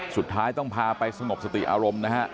สุดท้ายต้องพาไปสงบสติอารมณ์นะฮะ